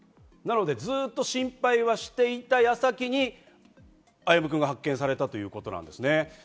ずっと心配はしていた矢先に歩夢くんが発見されたということです。